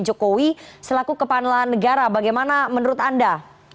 jokowi selaku kepala negara bagaimana menurut anda